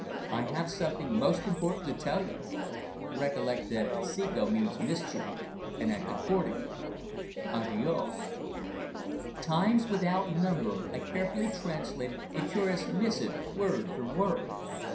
I have something most important to tell you. Recollect that the Ceco means mischief, and act accordingly. Addio." Times without number I carefully translated the curious missive word for word.